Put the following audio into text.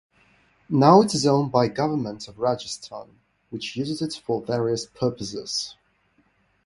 Now it is owned by Govt of Rajasthan which uses it for various purposes.